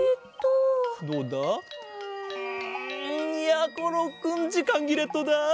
やころくんじかんぎれットだ。